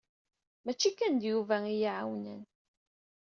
Mačči kan d Yuba iyi-ɛawnen.